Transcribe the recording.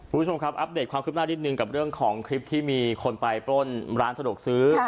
คุณผู้ชมครับอัปเดตความคืบหน้านิดนึงกับเรื่องของคลิปที่มีคนไปปล้นร้านสะดวกซื้อ